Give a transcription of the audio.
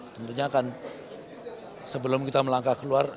tentunya akan sebelum kita melangkah keluar